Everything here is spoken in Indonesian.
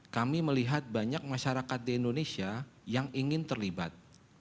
kami melihat banyak masyarakat di indonesia yang ingin terlibat